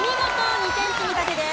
２点積み立てです。